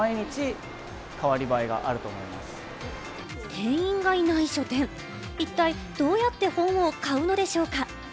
店員がいない書店、一体どうやって本を買うのでしょうか？